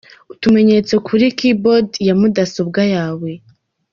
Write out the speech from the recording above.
Utumenyetso kuri ‘Key Board’ ya mudasobwa yawe.